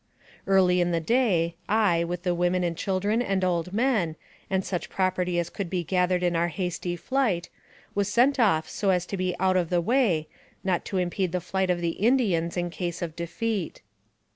Early in the day, I, with the women and children and old men, and such property as could be gathered in our hasty flight, was sent off so as to be out of the way, not to impede the flight of the Indians in case of defeat.